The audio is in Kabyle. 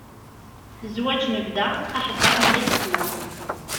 Zwaǧ n bda, aḥebbeṛ meyyat sna.